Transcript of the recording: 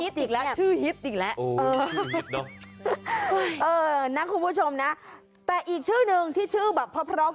อุ้ยคิดอีกแล้วชื่อฮิตอีกแล้ว